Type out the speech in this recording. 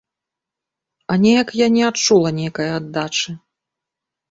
А неяк я не адчула нейкай аддачы.